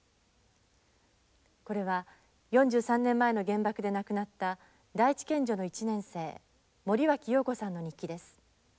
これは４３年前の原爆で亡くなった第一県女の１年生森脇瑤子さんの日記です。